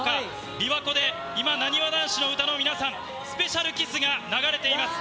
びわ湖で今なにわ男子の歌の皆さん、スペシャルキスが流れています。